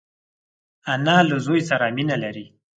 انا له زوی سره مینه لري